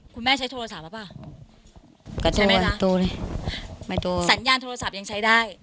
คุณแม่ใช้โทรศัพท์แล้วป่ะใช่ไหมนะไม่โทรสัญญาณโทรศัพท์ยังใช้ได้